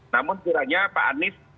namun sekiranya pak anies